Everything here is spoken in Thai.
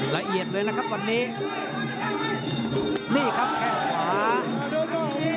ละเอียดเลยนะครับวันนี้นี่ครับแข้งขวา